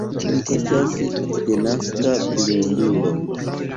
Li estas denaska blindulo.